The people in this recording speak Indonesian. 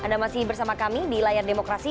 anda masih bersama kami di layar demokrasi